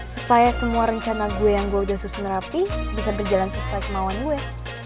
supaya semua rencana gue yang gue udah susun rapi bisa berjalan sesuai kemauan gue